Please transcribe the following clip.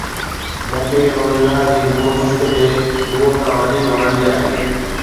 مون کي روزيدار جي بوءِ مشڪ جي بوءَ کان وڌيڪ وڻندي آهي